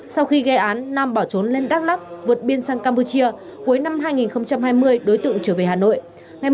sau khi gây án nam bỏ trốn lên đắk lắc vượt biên sang campuchia cuối năm hai nghìn hai mươi đối tượng trở về hà nội